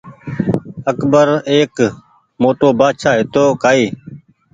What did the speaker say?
اڪبر ايڪ موٽو بآڇآ هيتو ڪآئي